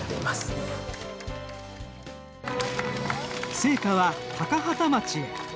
聖火は高畠町へ。